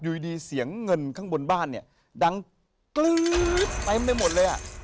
อยู่ดีเสียงเงินข้างบนบ้านเนี่ยดังกลื๊ดเต็มไปหมดเลยอ่ะ